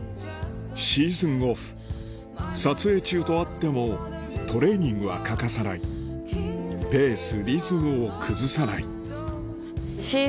シーズンオフ撮影中とあってもトレーニングは欠かさないペース